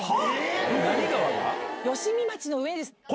吉見町の上です。